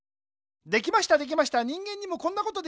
できましたできました人間にもこんなことできました。